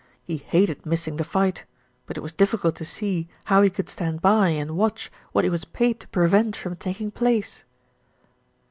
He hated missing the fight; but it was difficult to see how he could stand by and watch what he was paid to prevent from taking place.